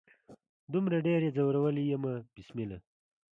دومره ډیر يې ځورولي يم بسمله